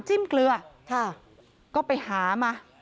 เป็นพระรูปนี้เหมือนเคี้ยวเหมือนกำลังทำปากขมิบท่องกระถาอะไรสักอย่าง